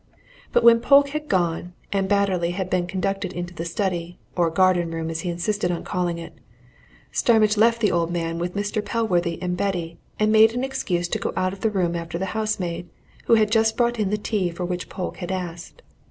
But when Polke had gone, and Batterley had been conducted into the study, or garden room as he insisted on calling it, Starmidge left the old man with Mr. Pellworthy and Betty and made an excuse to go out of the room after the housemaid, who had just brought in the tea for which Polke had asked.